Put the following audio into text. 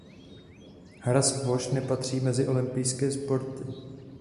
Hra squash nepatří mezi olympijské sporty.